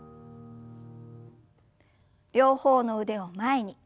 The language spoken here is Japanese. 両方の腕を前に。